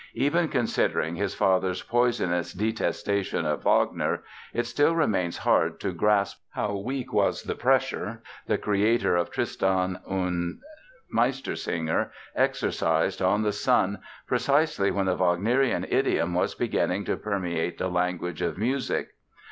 Even considering his father's poisonous detestation of Wagner it still remains hard to grasp how weak was the pressure the creator of Tristan and Meistersinger exercised on the son precisely when the Wagnerian idiom was beginning to permeate the language of music.